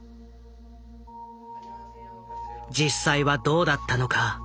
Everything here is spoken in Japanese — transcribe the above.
実際はどうだったのか。